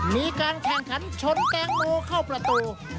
มีการแข่งขันชนแตงโมเข้าประตู